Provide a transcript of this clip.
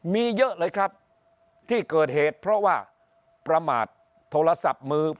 มีเยอะเลยครับที่เกิดเหตุเพราะว่าประมาทโทรศัพท์มือ